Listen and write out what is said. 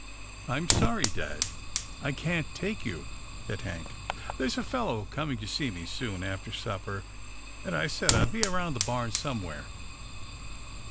" I'm sorry, dad, I can't take you," said Hank, " there's a fellow coming to see me soon after sup per, and I said I'd be round the barn somewhere."